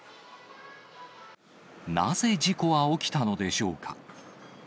なぜ事故は起きたのでしょうか。